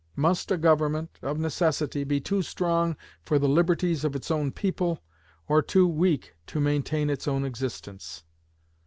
Must a Government, of necessity, be too strong for the liberties of its own people, or too weak to maintain its own existence?'"